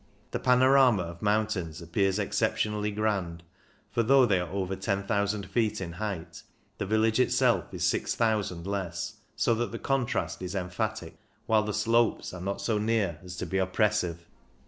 The panorama of mountains appears exception ally grand, for though they are over 10,000 feet in height, the village itself is 6,000 less, so that the contrast is emphatic, while the slopes are not so near as to be oppres sive.